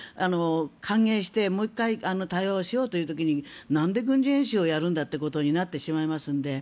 歓迎してもう１回対話をしようという時になんで軍事演習をやるんだということになってしまいますので。